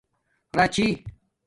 راچھی